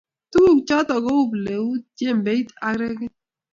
Tuguk chotok kou plauit jembet ak rekit